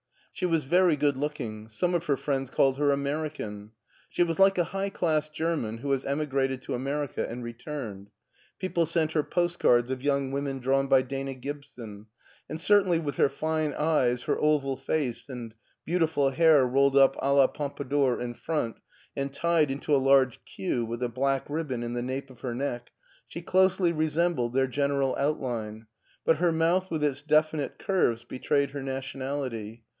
She was very good looking; some of her friends called her American. She was like a high class German who has emigrated to America and returned. People sent her postcards of young women drawn by Dana Gibson, and certainly with her fine eyes, her oval face, and beautiful hair rolled up d /dc Pompadour in front and tied into a large queue with a black ribbon in the nape of her neck, she closely re sembled their general outline, but her mouth with its definite curves betrayed her nationality.